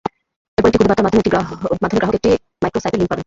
এরপর একটি খুদে বার্তার মাধ্যমে গ্রাহক একটি মাইক্রো সাইটের লিঙ্ক পাবেন।